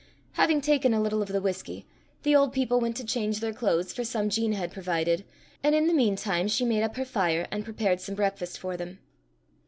Having taken a little of the whisky, the old people went to change their clothes for some Jean had provided, and in the mean time she made up her fire, and prepared some breakfast for them.